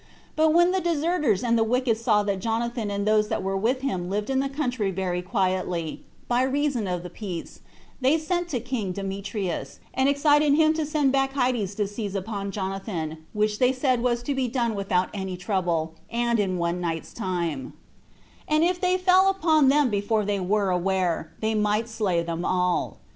But when the deserters and the wicked saw that Jonathan and those that were with him lived in the country very quietly, by reason of the peace, they sent to king Demetrius, and excited him to send Bacchides to seize upon Jonathan, which they said was to be done without any trouble, and in one night's time; and that if they fell upon them before they were aware, they might slay them all.